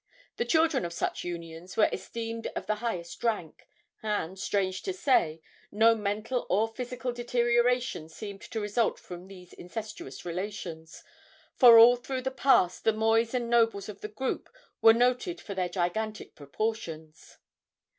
The children of such unions were esteemed of the highest rank, and, strange to say, no mental or physical deterioration seemed to result from these incestuous relations, for all through the past the mois and nobles of the group were noted for their gigantic proportions.